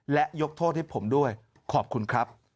และยกโทษให้ผมด้วยขอบคุณครับ